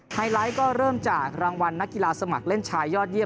ไฮไลท์ก็เริ่มจากรางวัลนักกีฬาสมัครเล่นชายยอดเยี่